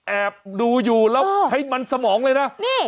แอบดูอยู่แล้วใช้มันสมองเลยนะ